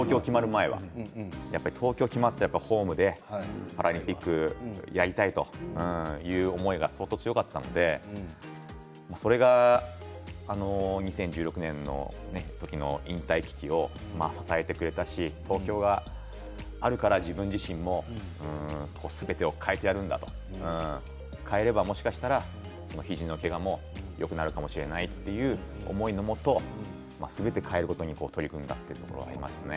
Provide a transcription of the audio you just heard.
でも東京で決まってホームでパラリンピックをやりたいという思いが相当強かったのでそれが２０１６年の時の引退危機を支えてくれたし東京があるから自分自身もすべてを変えてやるんだ変えたらもしかしたら肘をけがもよくなるかもしれないという思いのもとすべて変えることに取り組んだというところがありますね。